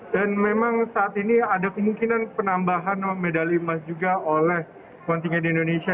dan memang saat ini ada kemungkinan penambahan medali emas juga oleh kontingen indonesia